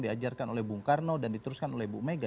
diajarkan oleh bung karno dan diteruskan oleh bu mega